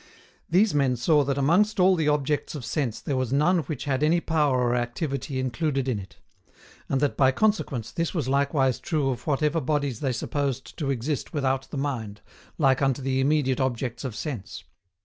These men saw that amongst all the objects of sense there was none which had any power or activity included in it; and that by consequence this was likewise true of whatever bodies they supposed to exist without the mind, like unto the immediate objects of sense.